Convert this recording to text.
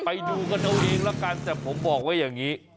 ไปดูกันเอาเองละกันแต่ผมบอกว่าอย่างนี้